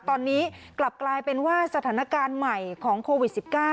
ตอนนี้กลับกลายเป็นว่าสถานการณ์ใหม่ของโควิด๑๙